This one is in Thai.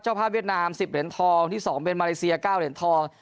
ภาพเวียดนาม๑๐เหรียญทองที่๒เป็นมาเลเซีย๙เหรียญทอง